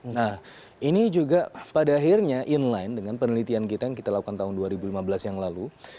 nah ini juga pada akhirnya inline dengan penelitian kita yang kita lakukan tahun dua ribu lima belas yang lalu